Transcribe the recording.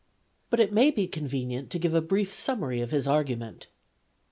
But it may be convenient to give a brief summary of his argu ment.